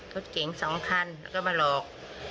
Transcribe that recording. รถเก๋ง๒คันก็มาหลอก